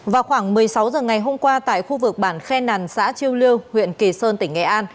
vào khoảng một mươi sáu h ngày hôm qua tại khu vực bản khe nàn xã chiêu lưu huyện kỳ sơn tỉnh nghệ an